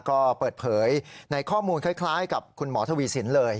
ก็เปิดเผยในข้อมูลคล้ายกับคุณหมอทวีสินเลย